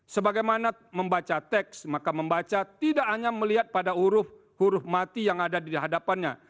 sebagaimana membaca teks maka membaca tidak hanya melihat pada huruf huruf mati yang ada di hadapannya